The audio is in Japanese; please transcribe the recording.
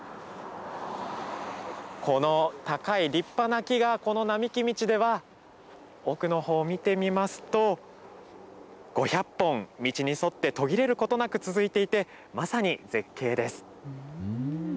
この高い立派な木が、この並木道では、奥のほうを見てみますと、５００本、道に沿って途切れることなく続いていて、まさに絶景です。